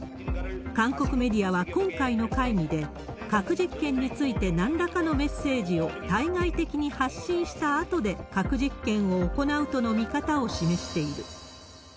韓国メディアは今回の会議で、核実験についてなんらかのメッセージを対外的に発信したあとで、核実験を行うとの見方を示している。